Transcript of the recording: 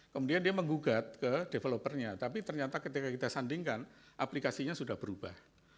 kemudian dia menggugat ke developernya tapi ternyata ketika kita sandingkan aplikasinya sudah berubah